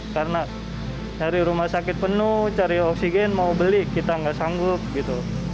karena cari rumah sakit penuh cari oksigen mau beli kita nggak sanggup gitu